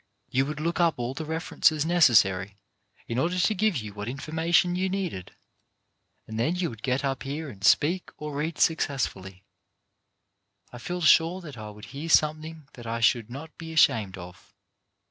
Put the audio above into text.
You would look up all the references necessary in order to give you what information you needed, and then you would get up here and speak or read successfully. I feel sure that I would hear something that I should not be ashamed of.